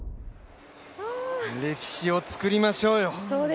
歴史を作りましょうよ。